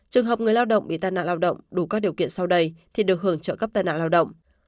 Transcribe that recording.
trường hợp người lao động bị tàn nạn lao động đủ các điều kiện sau đây thì được hưởng trợ cấp tai nạn lao động